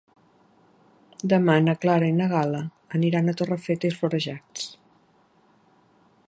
Demà na Clara i na Gal·la aniran a Torrefeta i Florejacs.